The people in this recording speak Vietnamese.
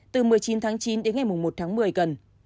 từ một mươi chín tháng chín đến ngày một tháng một mươi cần